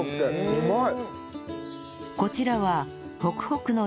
うまい。